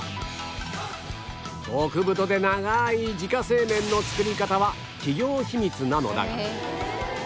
極太で長い自家製麺の作り方は企業秘密なのだが